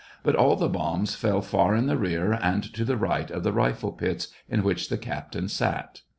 But all the bombs fell far in the rear and to the right of the rifle pits in which the captain sat.